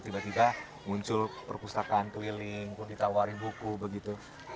tiba tiba muncul perpustakaan keliling ditawarin buku begitu